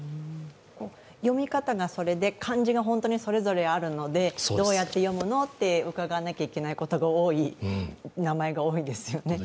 読み方がそれで、漢字が本当にそれぞれあるのでどうやって読むの？って伺わなきゃいけないことが多い名前が多いですよね。